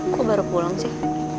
kok baru pulang sih